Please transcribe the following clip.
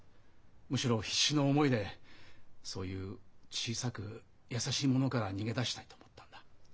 むしろ必死の思いでそういう小さく優しいものから逃げ出したいと思ったんだ。